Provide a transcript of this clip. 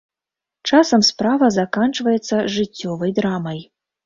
Часам справа заканчваецца жыццёвай драмай.